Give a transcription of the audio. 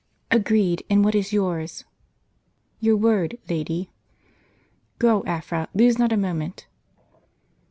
" Agreed ; and what is yours ?" "Your word, lady." " Go, Afra, lose not a moment."